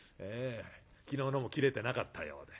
昨日のも斬れてなかったようで。